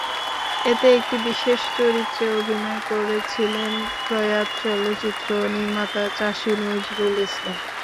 এতে একটি বিশেষ চরিত্রে অভিনয় করেছিলেন প্রয়াত চলচ্চিত্র নির্মাতা চাষী নজরুল ইসলাম।